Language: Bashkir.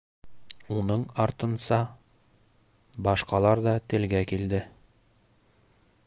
Уның артынса башҡалар ҙа телгә килде: